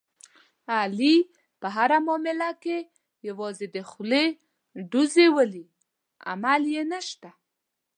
علي په هره معامله کې یوازې د خولې ډوزې ولي، عمل یې نشته.